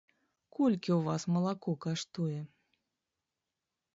Колькі ў вас малако каштуе?